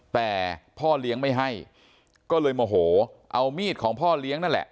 แต่พ่อเลี้ยงไม่ให้ก็เลยโมโหเอามีดของพ่อเลี้ยงนั่นแหละ